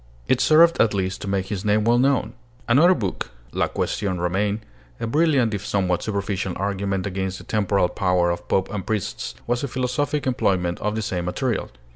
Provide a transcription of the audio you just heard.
It served at least to make his name well known. Another book, 'La Question Romaine,' a brilliant if somewhat superficial argument against the temporal power of pope and priests, was a philosophic employment of the same material.